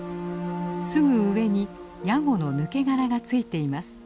すぐ上にヤゴの抜け殻がついています。